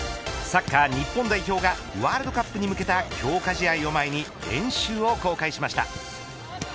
サッカー日本代表がワールドカップに向けた強化試合を前に練習を公開しました。